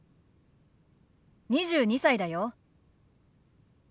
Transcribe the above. ２２歳だよ。ＯＫ。